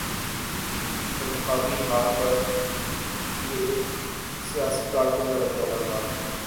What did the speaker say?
انتخابی ہار پر یہ ایک سیاسی کارکن کا رد عمل تھا۔